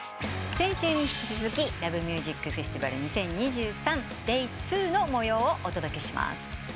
先週に引き続き「ＬＯＶＥＭＵＳＩＣＦＥＳＴＩＶＡＬ２０２３」ＤＡＹ２の模様をお届けします。